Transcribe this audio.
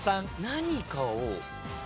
何かを。